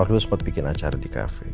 kalau itu sempat bikin acara di kafe